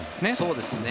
そうですね。